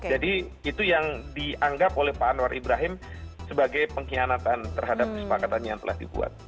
jadi itu yang dianggap oleh pak anwar ibrahim sebagai pengkhianatan terhadap kesepakatan yang telah dibuat